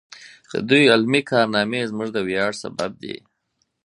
د دوی علمي کارنامې زموږ د ویاړ سبب دی.